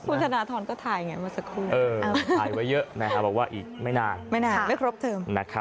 คุณธนาธรก็ถ่ายไงมาสักครู่เออถ่ายไว้เยอะนะครับอีกไม่นานไม่ครบเทอม